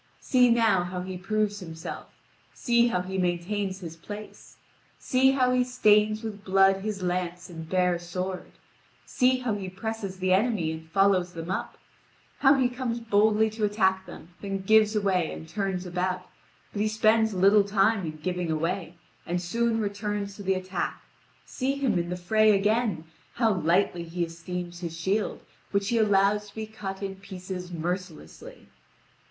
See now how he proves himself, see how he maintains his place, see how he stains with blood his lance and bare sword, see how he presses the enemy and follows them up, how he comes boldly to attack them, then gives away and turns about; but he spends little time in giving away, and soon returns to the attack. See him in the fray again, how lightly he esteems his shield, which he allows to be cut in pieces mercilessly.